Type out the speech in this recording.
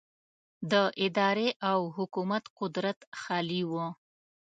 د ادارې او حکومت قدرت خالي و.